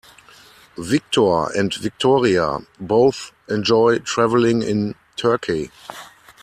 Victor and Victoria both enjoy traveling in Turkey.